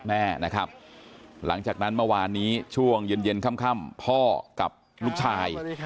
แม่นะครับหลังจากนั้นเมื่อวานนี้ช่วงเย็นค่ำพ่อกับลูกชาย